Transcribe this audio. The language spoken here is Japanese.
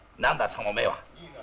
その目は。